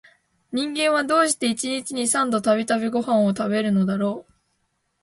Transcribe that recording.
人間は、どうして一日に三度々々ごはんを食べるのだろう